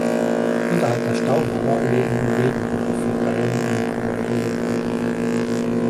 Unterhalb der Staumauer leben nun Regenbogenforellen im "Colorado River".